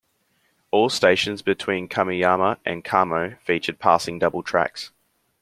All stations between Kameyama and Kamo featured passing double tracks.